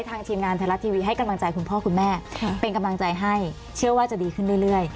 ทีมงานไทยรัฐทีวีให้กำลังใจคุณพ่อคุณแม่เป็นกำลังใจให้เชื่อว่าจะดีขึ้นเรื่อย